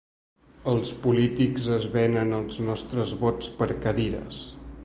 Els polítics es venen els nostres vots per cadires.